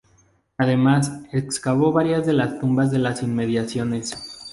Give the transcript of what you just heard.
Además excavó varias de las tumbas de las inmediaciones.